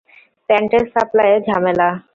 প্যান্টের সাপ্লাইয়ে ঝামেলা!